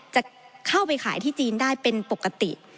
จะเข้าไปขายที่จีนได้เป็นปกติ